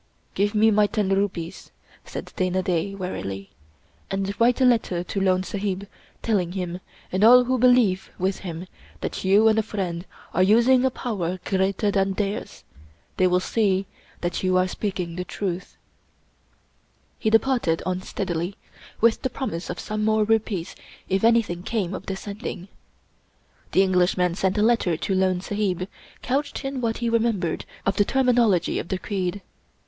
" Give me my ten rupees," said Dana Da, wearily, " and write a letter to Lone Sahib, telling him, and all who be lieve with him, that you and a friend are using a power greater than theirs. They will see that you are speaking the truth/' He departed unsteadily, with the promise of some more rupees if anything came of the Sending. The Englishman sent a letter to Lone Sahib, couched in what he remembered of the terminology of the creed.